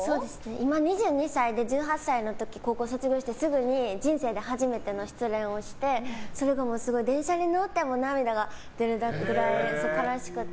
今、２２歳で１８歳の時高校卒業してすぐに人生で初めての失恋をしてそれが、すごい電車に乗っても涙が出るくらい悲しくて。